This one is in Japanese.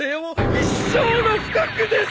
一生の不覚です！